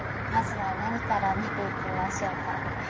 まずは何から見ていきましょうか？